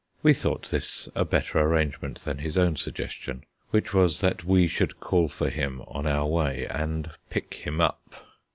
We thought this a better arrangement than his own suggestion, which was that we should call for him on our way and "pick him up."